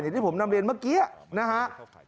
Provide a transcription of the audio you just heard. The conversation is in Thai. อย่างที่ผมนำเรียนเมื่อกี้นะครับ